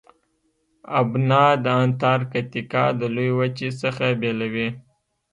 ابنا د انتارکتیکا د لویې وچې څخه بیلوي.